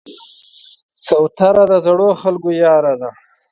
کوتره د زړو خلکو یار ده.